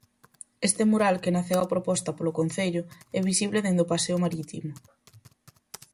Este mural, que naceu a proposta polo Concello, é visible dende o paseo marítimo.